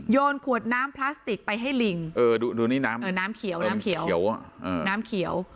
โยนขวดน้ำพลาสติกไปให้ลิงดูนี่น้ำเขียว